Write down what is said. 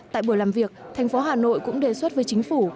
tại buổi làm việc thành phố hà nội cũng đề xuất với chính phủ